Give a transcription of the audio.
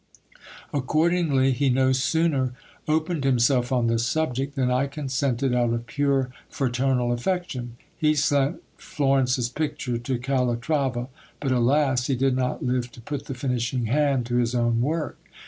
Accordingly, he no sooner opened himself on the subject than I consented out of pure fraternal affection. He sent Flo rence's picture to Calatrava ; but, alas ! he did not live to put the finishing hand to his own work.